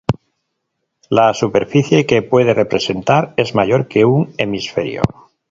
La superficie que puede representar es mayor que un hemisferio.